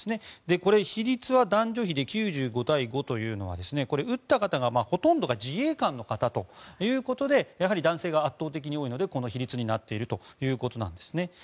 これ、比率は男女比で９５対５というのは打った方がほとんどの方が自衛官の方ということでやはり男性が圧倒的に多いのでこの比率になっているということなんです。